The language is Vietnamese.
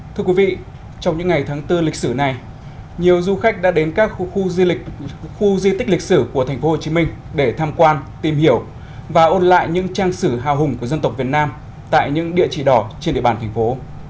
thưa quý vị trong những ngày tháng bốn lịch sử này nhiều du khách đã đến các khu di tích lịch sử của thành phố hồ chí minh để tham quan tìm hiểu và ôn lại những trang sử hào hùng của dân tộc việt nam tại những địa chỉ đỏ trên địa bàn thành phố